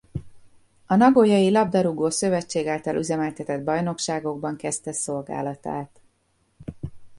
A Nagojai labdarúgó-szövetség által üzemeltetett bajnokságokban kezdte szolgálatát.